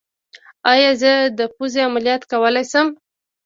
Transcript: ایا زه د پوزې عملیات کولی شم؟